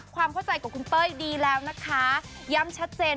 ความเข้าใจของคุณเป้ยดีแล้วนะคะย้ำชัดเจน